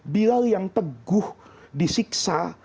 bilal yang teguh disiksa